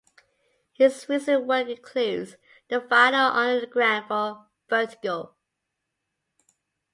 His recent work includes "The Vinyl Underground" for Vertigo.